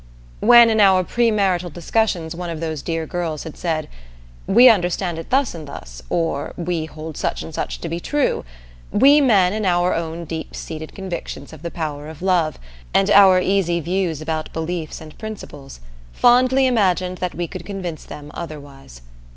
When in our pre marital discussions one of those dear girls had said: "We understand it thus and thus," or "We hold such and such to be true," we men, in our own deep seated convictions of the power of love, and our easy views about beliefs and principles, fondly imagined that we could convince them otherwise.